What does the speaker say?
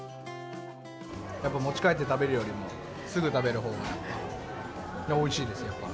やっぱり持ち帰って食べるよりも、すぐ食べるほうがおいしいです、やっぱ。